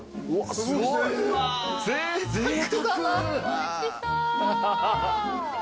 おいしそう。